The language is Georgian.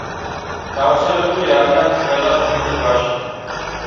გავრცელებული არიან ყველა თბილ ზღვაში.